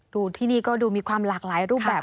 ดูที่นี่ก็ดูมีความหลากหลายรูปแบบ